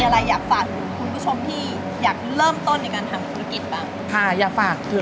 มีความสุขแล้ว